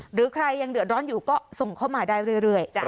หรือใครยังเดือดร้อนอยู่ก็ส่งเข้ามาได้เรื่อย